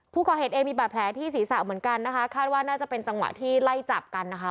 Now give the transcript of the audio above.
ผู้ก่อเหตุเองมีบาดแผลที่ศีรษะเหมือนกันนะคะคาดว่าน่าจะเป็นจังหวะที่ไล่จับกันนะคะ